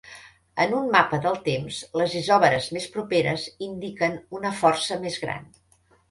En un mapa dels temps, les isòbares més properes indiquen una força més gran.